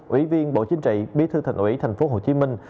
ủy viên bộ chính trị bí thư thành ủy thành phố hồ chí minh